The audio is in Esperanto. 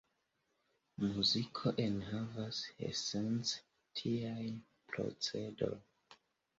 Muziko enhavas esence tiajn procedoj.